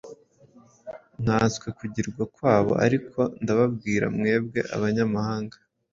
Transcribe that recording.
nkanswe kugwira kwabo! Ariko ndababwira mwebwe abanyamahanga,